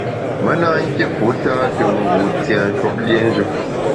Me na kit fu tâ te ngu tienshwuop liénjù.